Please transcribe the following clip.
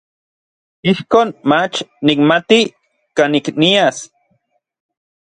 Ijkon mach nikmati kanik nias.